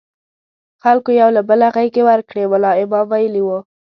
خلکو یو له بله غېږې ورکړې، ملا امام ویلي وو.